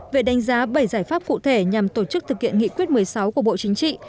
về đánh giá bảy giải pháp cụ thể nhằm tổ chức thực hiện nghị quyết một mươi sáu của bộ chính trị